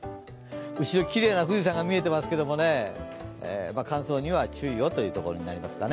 後ろ、きれいな富士山が見えてますけどね、乾燥には注意をということになりますかね。